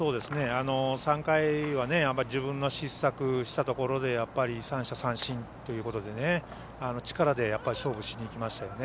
３回は自分の失策したところで３者三振というところで力で勝負しにきましたよね。